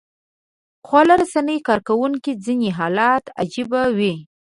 خواله رسنیو کاروونکو ځینې حالات عجيبه وي